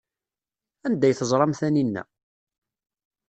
Anda ay teẓram Taninna?